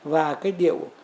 và cái điệu